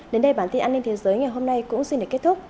đến đây bản tin an ninh thế giới ngày hôm nay cũng xin được kết thúc